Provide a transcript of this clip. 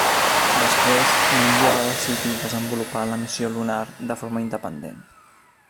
Després, l'Índia va decidir desenvolupar la missió lunar de forma independent.